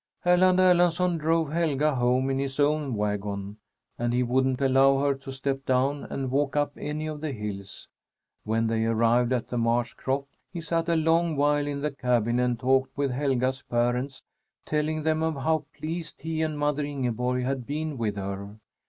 Erland Erlandsson drove Helga home in his own wagon, and he wouldn't allow her to step down and walk up any of the hills. When they arrived at the marsh croft, he sat a long while in the cabin and talked with Helga's parents, telling them of how pleased he and mother Ingeborg had been with her.